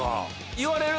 言われる？